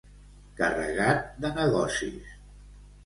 Carregat de negocis.